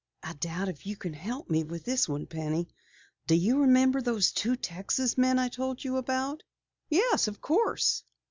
"I doubt if you can help me with this one, Penny. Do you remember those two Texas men I told you about?" "Yes, of course."